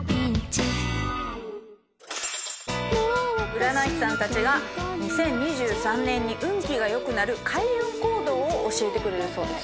占い師さんたちが２０２３年に運気が良くなる開運行動を教えてくれるそうです。